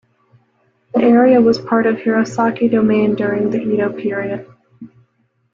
The area was part of Hirosaki Domain during the Edo period.